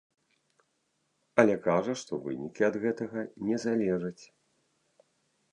Але кажа, што вынікі ад гэтага не залежаць.